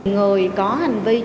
người có hành vi chậm nộp